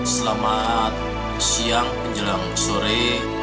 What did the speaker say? selamat siang penjelang sore